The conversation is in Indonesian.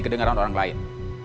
kedengeran orang lain